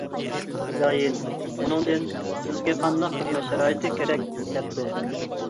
خوجايىن ئۇنىڭدىن: سىزگە قانداق خىزمەت شارائىتى كېرەك؟ دەپتۇ.